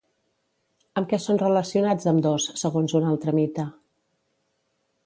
Amb què són relacionats ambdós, segons un altre mite?